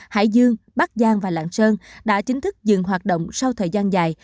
hải dương bắc giang và lạng sơn đã chính thức dừng hoạt động sau thời gian dài